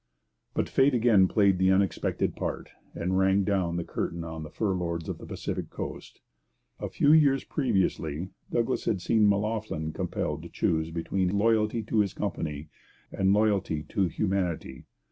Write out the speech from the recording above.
But fate again played the unexpected part, and rang down the curtain on the fur lords of the Pacific coast. A few years previously Douglas had seen M'Loughlin compelled to choose between loyalty to his company and loyalty to humanity.